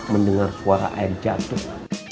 mendengar suara air jatuh